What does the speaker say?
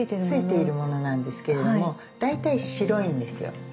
ついているものなんですけれども大体白いんですよ。